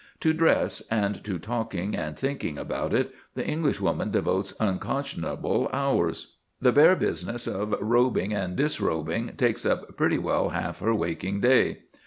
To dress, and to talking and thinking about it, the Englishwoman devotes unconscionable hours. The bare business of robing and disrobing takes up pretty well half her waking day.